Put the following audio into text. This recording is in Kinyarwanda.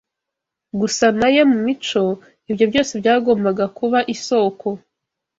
gusa na Yo mu mico, ibyo byose byagombaga kuba isoko